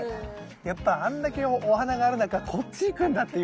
やっぱあんだけお花がある中こっち行くんだっていう。